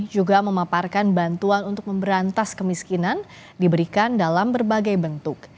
juga memaparkan bantuan untuk memberantas kemiskinan diberikan dalam berbagai bentuk